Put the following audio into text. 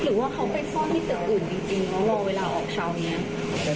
หรือว่าเขาไปซ่อนที่ตึกอื่นจริงแล้วรอเวลาออกเช้าอย่างนี้